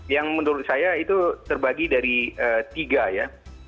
yang menurut saya itu terbagi dari tiga ya